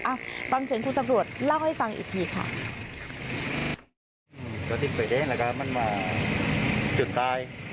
อ่ะฟังเสียงคุณตำรวจเล่าให้ฟังอีกทีค่ะ